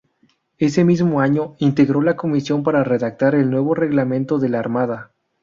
Ese mismo año, integró la comisión para redactar el nuevo reglamento de la Armada.